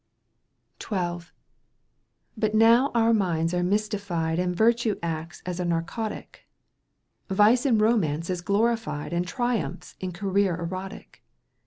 But now our minds are mystified And Virtue acts as a narcotic. Vice in romance is glorified And triumphs in career erotic.